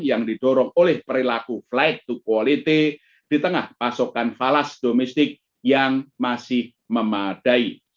yang didorong oleh perilaku flight to quality di tengah pasokan falas domestik yang masih memadai